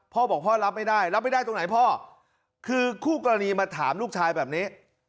พ่อบอกพ่อรับไม่ได้รับไม่ได้ตรงไหนพ่อคือคู่กรณีมาถามลูกชายแบบนี้